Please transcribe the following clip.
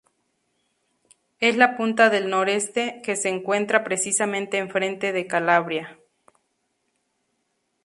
Es la punta del noreste, que se encuentra precisamente enfrente de Calabria.